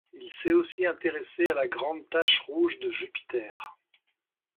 Il s'est aussi intéressé à la Grande Tache rouge de Jupiter.